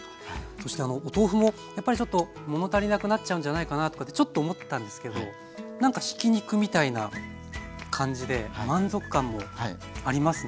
そしてお豆腐もやっぱりちょっともの足りなくなっちゃうんじゃないかなとかってちょっと思ったんですけど何かひき肉みたいな感じで満足感もありますね。